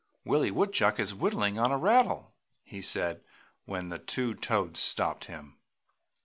"Willie Woodchuck is whittling on a rattle!" he said, when the two Toads stopped him.